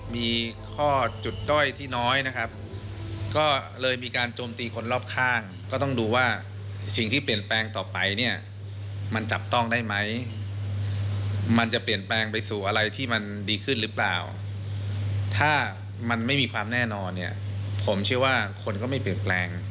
ไม่มีความแน่นอนผมเชื่อว่าคนก็ไม่เปลี่ยนแกรง